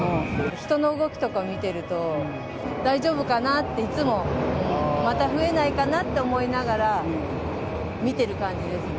人の動きとか見てると、大丈夫かなって、いつも、また増えないかなって思いながら見てる感じですね。